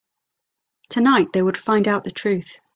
Tonight, they would find out the truth.